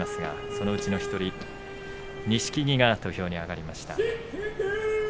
そのうちの１人、錦木が土俵に上がっています。